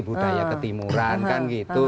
budaya ketimuran kan gitu